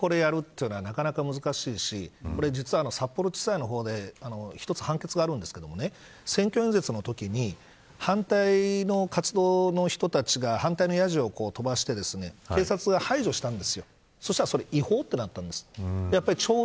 伊藤さん、確かに怪しい人に質問するってその通りなんですけど全員にこれをやるというのはなかなか難しいし実は札幌地裁の方で一つ判決があるんですけど選挙演説のときに反対の活動の人たちが反対のヤジを飛ばして警察が排除したんです。